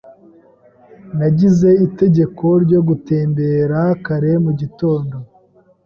Nagize itegeko ryo gutembera kare mu gitondo.